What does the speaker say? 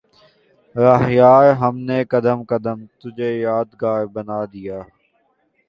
رہ یار ہم نے قدم قدم تجھے یادگار بنا دیا